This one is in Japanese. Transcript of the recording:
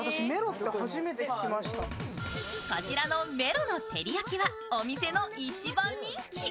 こちらのメロの照り焼きはお店の一番人気。